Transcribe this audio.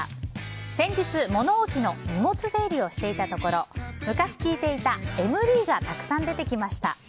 先日、物置の荷物整理をしていたところ昔聞いていたＭＤがたくさん出てきました。